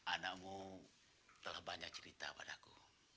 anakmu telah banyak cerita padaku